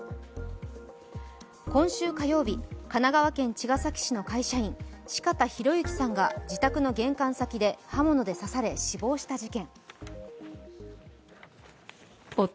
今週火曜日、神奈川県茅ヶ崎市の会社員、四方洋行さんが自宅の玄関先で刃物で刺され死亡した事件。